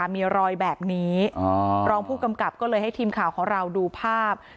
มีรอยแบบนี้รองผู้กำกับก็เลยให้ทีมข่าวของเราดูภาพ